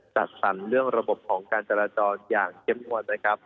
จัดสรรเรื่องระบบของการจราจรอย่างเข้มงวดนะครับ